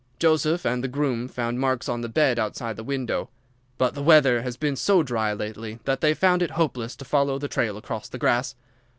Joseph and the groom found marks on the bed outside the window, but the weather has been so dry lately that they found it hopeless to follow the trail across the grass.